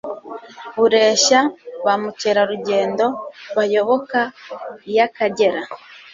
bureshya bamukerarugendo bayoboka iy'Akagera.